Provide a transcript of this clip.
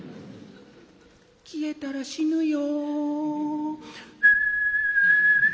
消えたら死ぬよ」。